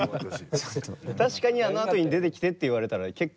確かにあのあとに出てきてって言われたら結構嫌だ。